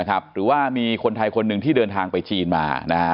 หรือว่ามีคนไทยคนหนึ่งที่เดินทางไปจีนมา